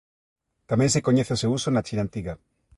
Tamén se coñece o seu uso na China Antiga.